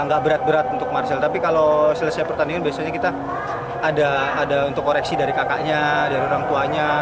nggak berat berat untuk marcel tapi kalau selesai pertandingan biasanya kita ada untuk koreksi dari kakaknya dari orang tuanya